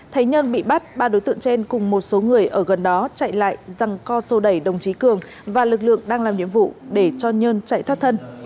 thấy nhân bị bắt ba đối tượng trên cùng một số người ở gần đó chạy lại răng co sô đẩy đồng chí cường và lực lượng đang làm nhiệm vụ để cho nhân chạy thoát thân